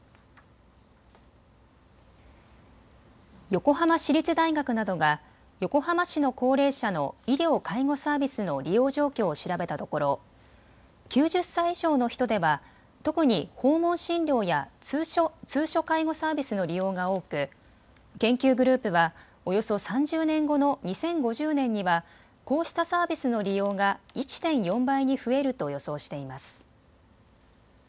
横浜市立大学などが横浜市の高齢者の医療・介護サービスの利用状況を調べたところ９０歳以上の人では特に訪問診療や通所介護サービスの利用が多く研究グループはおよそ３０年後の２０５０年には、こうしたサービスの利用が１．４倍に増えると予想しています。